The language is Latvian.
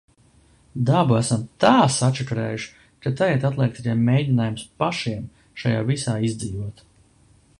Dabu esam tā sačakarējuši, ka tagad atliek tikai mēģinājums pašiem šajā visā izdzīvot.